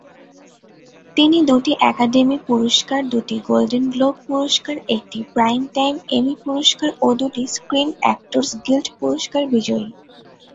তিনি দুটি একাডেমি পুরস্কার, দুটি গোল্ডেন গ্লোব পুরস্কার, একটি প্রাইমটাইম এমি পুরস্কার ও দুটি স্ক্রিন অ্যাক্টরস গিল্ড পুরস্কার বিজয়ী।